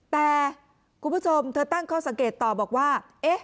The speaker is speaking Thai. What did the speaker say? แต่คุณผู้ชมเธอตั้งข้อสังเกตต่อบอกว่า